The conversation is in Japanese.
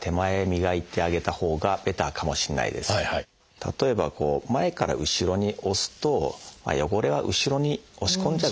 例えば前から後ろに押すと汚れは後ろに押し込んじゃう。